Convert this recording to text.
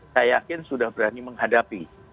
saya yakin sudah berani menghadapi